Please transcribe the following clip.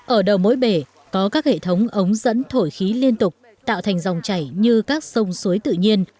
ở đầu mỗi bể có các hệ thống ống dẫn thổi khí liên tục tạo thành dòng chảy như các sông suối tự nhiên